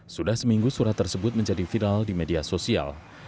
sudah seminggu surat tersebut menjadi viral di media sosial